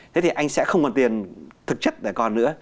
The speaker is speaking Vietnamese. thế thì anh sẽ không còn tiền thực chất để còn nữa